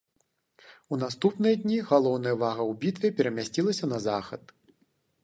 У наступныя дні галоўная ўвага ў бітве перамясцілася на захад.